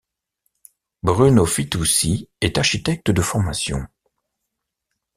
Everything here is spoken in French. Bruno Fitoussi est architecte de formation.